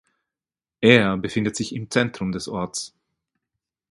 Er befindet sich im Zentrum des Orts.